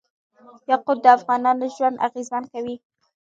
یاقوت د افغانانو ژوند اغېزمن کوي.